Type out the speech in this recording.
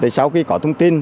sau khi có thông tin